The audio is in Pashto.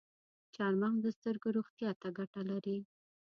چارمغز د سترګو روغتیا ته ګټه لري.